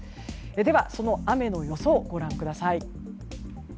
では、その雨の予想をご覧ください。